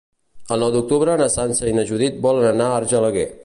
El nou d'octubre na Sança i na Judit volen anar a Argelaguer.